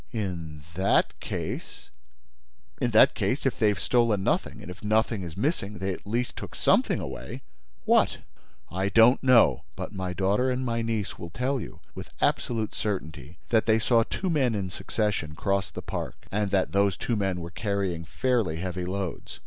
"In that case—?" "In that case, if they have stolen nothing and if nothing is missing, they at least took something away." "What?" "I don't know. But my daughter and my niece will tell you, with absolute certainty, that they saw two men in succession cross the park and that those two men were carrying fairly heavy loads."